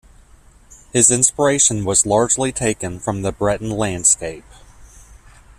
His inspiration was largely taken from the Breton landscape.